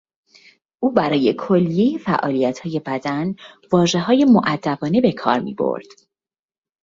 او برای کلیهی فعالیتهای بدن واژههای مودبانه به کار میبرد.